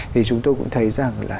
thì chúng tôi cũng thấy rằng là